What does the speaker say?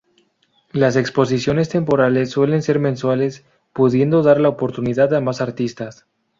Las exposiciones temporales suelen ser mensuales, pudiendo dar la oportunidad a más artistas.